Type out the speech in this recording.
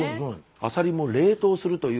アサリも冷凍するという。